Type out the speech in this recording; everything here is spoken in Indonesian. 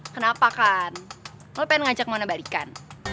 kenapa kan lo pengen ngajak mona balikan